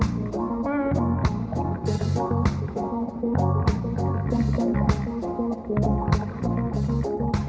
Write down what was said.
มค